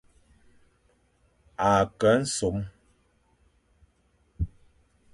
A ke nsom.